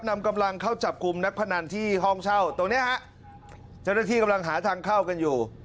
นำกำลังเข้าจับกลุ่มนักพนันที่ห้องเช่าตรงเนี้ยฮะเจ้าหน้าที่กำลังหาทางเข้ากันอยู่